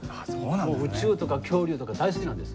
もう宇宙とか恐竜とか大好きなんです。